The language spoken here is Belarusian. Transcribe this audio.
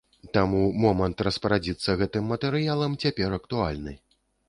Таму момант распарадзіцца гэтым матэрыялам цяпер актуальны.